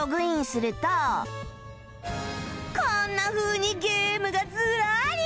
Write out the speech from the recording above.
こんなふうにゲームがずらり！